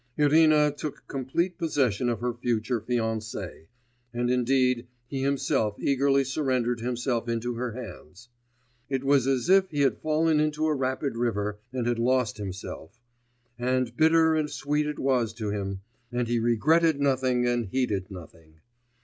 Irina took complete possession of her future fiancé, and indeed he himself eagerly surrendered himself into her hands. It was as if he had fallen into a rapid river, and had lost himself.... And bitter and sweet it was to him, and he regretted nothing and heeded nothing.